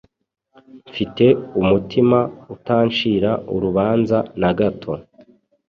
mfite umutima utancira urubanza nagato